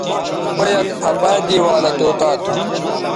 او یک پَھہ پہ دے والہ طوطا تھو